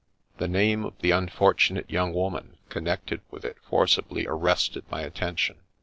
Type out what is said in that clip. The name of the un fortunate young woman connected with it forcibly arrested my attention.